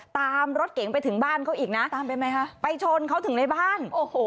ตามรถเก๋งไปถึงบ้านเขาอีกนะไปชนเขาถึงในบ้าน